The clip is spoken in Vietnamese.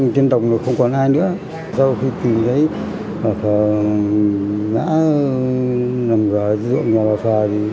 trong đó có ruộng nhà bà phờ